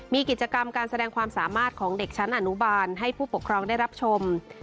มีกิจกรรมการแสดงความสามารถของเด็กชั้นอนุบาลให้ผู้ปกครองได้รับชม